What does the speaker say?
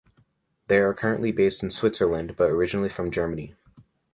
They are currently based in Switzerland, but originally from Germany.